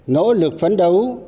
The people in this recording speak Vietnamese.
nỗ lực phấn đấu